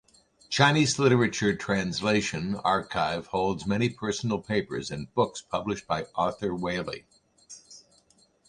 Chinese Literature Translation Archive holds many personal papers and books published by Arthur Waley.